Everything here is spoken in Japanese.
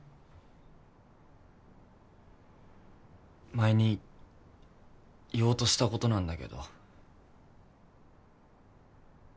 前に言おうとしたことなんだけど。